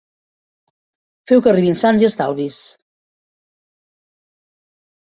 Feu que arribin sans i estalvis.